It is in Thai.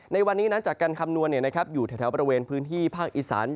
ในวันนี้นั้นจากการคำนวณอยู่แถวบริเวณพื้นที่ภาคอีสาน